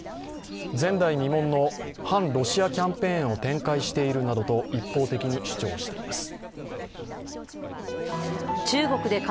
前代未聞の反ロシアキャンペーンを展開しているなどと「地球を笑顔にするＷＥＥＫ」。